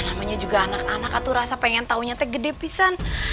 namanya juga anak anak tuh pengen tau nyata gede pisan